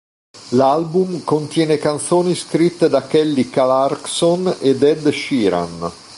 L'album contiene canzoni scritte da Kelly Clarkson ed Ed Sheeran.